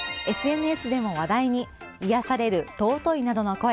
ＳＮＳでも話題に癒やされる、尊いなどの声。